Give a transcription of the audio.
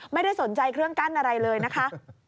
ไม่ได้สนใจเครื่องกั้นอะไรเลยนะคะ